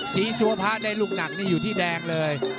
สีสุวพะได้ลูกหนักนี่อยู่ที่แดงเลย